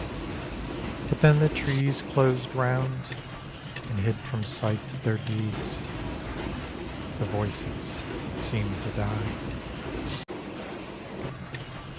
But then the trees closed round, and hid from sight Their deeds, — the voices seemed to die.